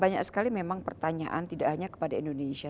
banyak sekali memang pertanyaan tidak hanya kepada indonesia